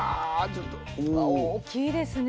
大きいですね